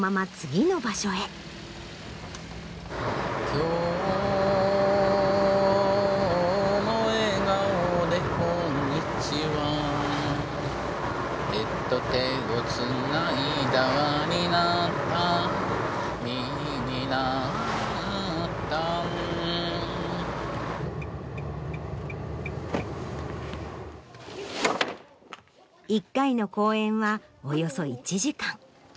「今日も笑顔でこんにちは」「手と手をつないだ輪になった」「実になった」１回の公演はおよそ１時間。